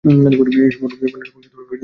পণ্যসামগ্রীর মূল্য বেড়ে গেল।